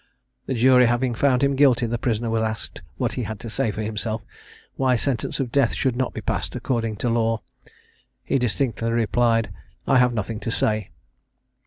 The jury having found him guilty, the prisoner was asked what he had to say for himself, why sentence of death should not be passed according to law? He distinctly replied, "I have nothing to say."